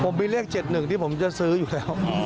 ผมมีเลข๗๑ที่ผมจะซื้ออยู่แล้ว